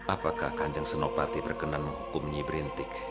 apakah kan jeng senopati berkenan menghukum nyai berintik